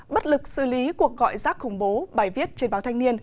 bất lực xử lý cuộc gọi rác khủng bố bài viết trên báo thanh niên